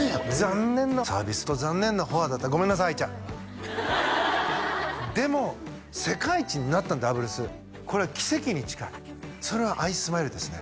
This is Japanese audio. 残念なサービスと残念なフォアだったごめんなさい愛ちゃんでも世界一になったのダブルスこれは奇跡に近いそれは愛スマイルですね